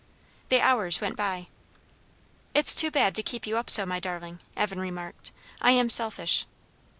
The hours went by. "It's too bad to keep you up so, my darling!" Evan remarked. "I am selfish."